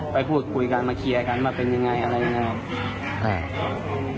ไปพูดคุยกันมาเคียร์กันว่าเป็นยังไงอะไรยังไง